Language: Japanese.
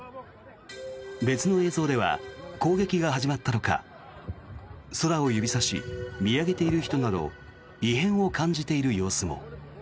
別の映像では攻撃が始まったのか空を指さし見上げている人など異変を感じている様子も。